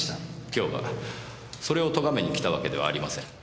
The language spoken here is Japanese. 今日はそれをとがめに来たわけではありません。